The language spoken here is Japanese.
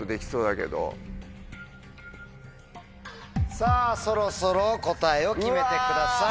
さぁそろそろ答えを決めてください。